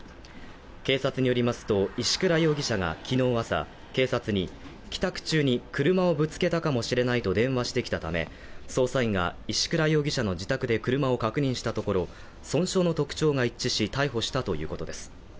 警察によりますと、石倉容疑者が昨日朝、警察に帰宅中に車をぶつけたかもしれないと電話してきたため、捜査員が石倉容疑者の自宅で車を確認したところ、損傷の特徴が一致し、逮捕したということです。